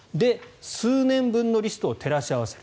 数年分のリストを照らし合わせる。